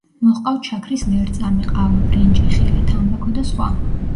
მოჰყავთ შაქრის ლერწამი, ყავა, ბრინჯი, ხილი, თამბაქო და სხვა.